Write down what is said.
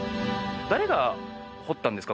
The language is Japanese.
誰が彫ったんですか？